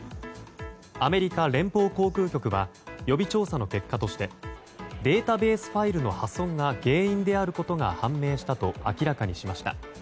アメリカ連邦航空局は予備調査の結果としてデータベースファイルの破損が原因であることが判明したと明らかにしました。